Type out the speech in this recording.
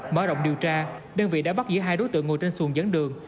mở rộng điều tra đơn vị đã bắt giữ hai đối tượng ngồi trên xuồng dẫn đường